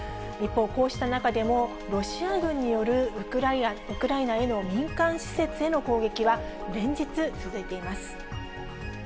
一方、こうした中でも、ロシア軍によるウクライナへの民間施設への攻撃は、連日続いています。